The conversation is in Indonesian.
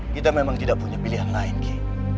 kita memang tidak punya pilihan lain ki